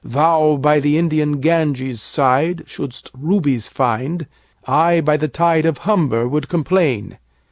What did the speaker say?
Thou by the Indian Ganges' side 5 Shouldst rubies find: I by the tide Of Humber would complain.